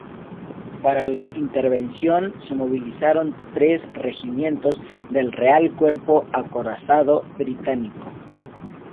Para la intervención se movilizaron tres regimientos del Real Cuerpo Acorazado británico.